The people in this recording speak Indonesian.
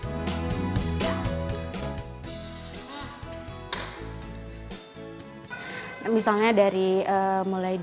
misalnya dari mulai dia diem gitu dia mulai bosen dia mulai jenuh